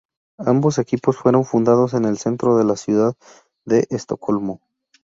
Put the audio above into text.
Ambos equipos fueron fundados en el centro de la ciudad de Estocolmo.